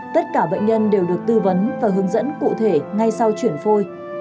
tất cả bệnh nhân đều được tư vấn và hướng dẫn cụ thể ngay sau chuyển phôi